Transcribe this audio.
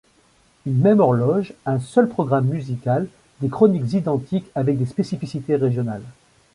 Une même horloge, un seul programme musical, des chroniques identiques avec des spécificités régionales.